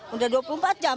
udah dua puluh empat jam